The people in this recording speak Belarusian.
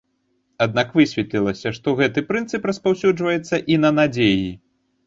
Аднак высветлілася, што гэты прынцып распаўсюджваецца і на надзеі.